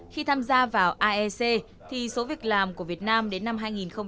khi tham gia vào iec thì số việc làm của việt nam đến năm hai nghìn hai mươi năm có thể tăng một mươi bốn năm